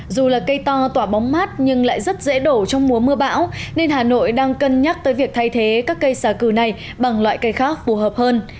dù là cây to tỏa bóng mát nhưng lại rất dễ đổ trong mùa mưa bão nên hà nội đang cân nhắc tới việc thay thế các cây xả cừ này bằng loại cây khác phù hợp hơn